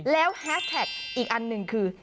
แล้วแฮสแท็กอีกอันหนึ่งคือ